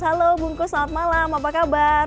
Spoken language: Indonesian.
halo bungkus selamat malam apa kabar